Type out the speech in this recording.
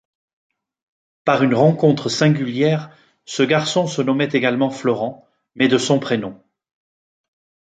Par une rencontre singulière, ce garçon se nommait également Florent, mais de son prénom.